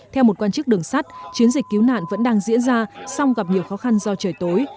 theo một quan chức đường sắt chiến dịch cứu nạn vẫn đang diễn ra song gặp nhiều khó khăn do trời tối